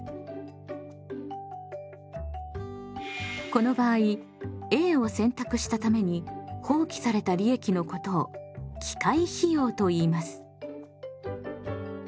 この場合Ａを選択したために放棄された利益のことを機会費用といいます。